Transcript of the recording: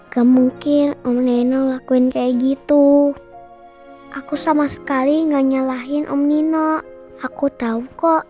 kemungkin om nino lakuin kayak gitu aku sama sekali nggak nyalahin om nino aku tahu kok